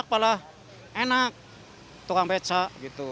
kepala enak tukang becak gitu